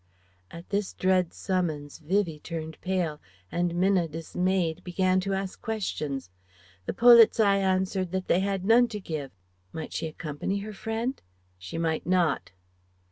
At this dread summons, Vivie turned pale, and Minna dismayed began to ask questions. The Polizei answered that they had none to give.... Might she accompany her friend? She might not.